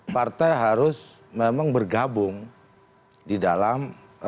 partai harus memang bergabung di dalam